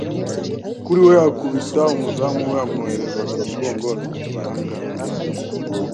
kuri we, akubita umuzamu we amwohereza ku mugongo afite igihangange